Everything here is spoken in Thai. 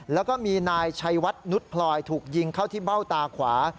แล้วก็มีนายชัยวัดนุษย์พลอยถูกยิงเข้าที่เบ้าตาขวา